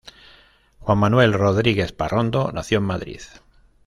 Juan Manuel Rodríguez Parrondo nació en Madrid.